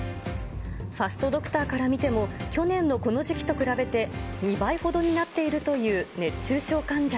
ファストドクターから見ても、去年のこの時期と比べて、２倍ほどになっているという熱中症患者。